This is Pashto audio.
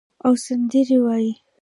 او سندرې وایې